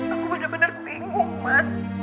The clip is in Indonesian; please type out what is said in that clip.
aku bener bener bingung mas